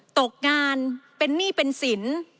ตกงานเป็นหนี้เป็นสิน